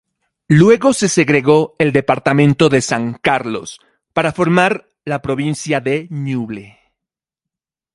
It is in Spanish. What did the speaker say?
Luego se segregó el departamento de San Carlos, para formar la Provincia de Ñuble.